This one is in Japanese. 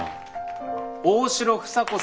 大城房子